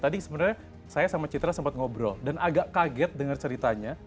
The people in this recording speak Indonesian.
tadi sebenarnya saya sama citra sempat ngobrol dan agak kaget dengar ceritanya